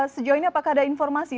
sejauh ini apakah ada informasi